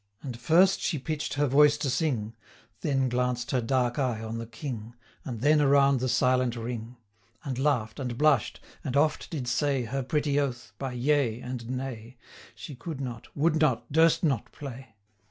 And first she pitch'd her voice to sing, Then glanced her dark eye on the King, And then around the silent ring; 305 And laugh'd, and blush'd, and oft did say Her pretty oath, by Yea, and Nay, She could not, would not, durst not play!